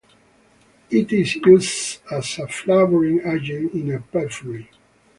It is used as a flavoring agent and in perfumery.